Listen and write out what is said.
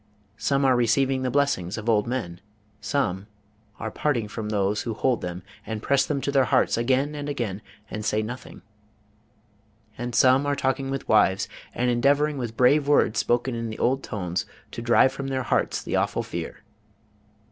Some are receiving the blessings of old men. Some are parting from those who hold them and press them to their hearts again and again, and say nothing; and some are talking with wives, and endeavoring with brave words spoken in the old tones to drive from their hearts the awful fear.